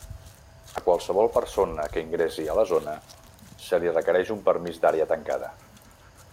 A qualsevol persona que ingressi a la zona, se li requereix un Permís d'Àrea Tancada.